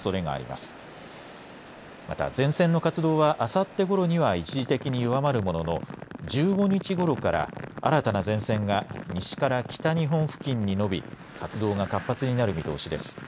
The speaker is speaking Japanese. また前線の活動はあさってごろには一時的に弱まるものの、１５日ごろから新たな前線が西から北日本付近に延び、活動が活発になる見込みです。